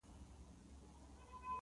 ښایست د ژبې نرموالی څرګندوي